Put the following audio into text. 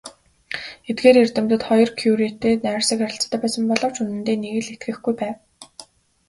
Эдгээр эрдэмтэд хоёр Кюретэй найрсаг харилцаатай байсан боловч үнэндээ нэг л итгэхгүй байв.